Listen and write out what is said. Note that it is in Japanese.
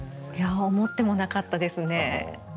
いやぁ思ってもなかったですね。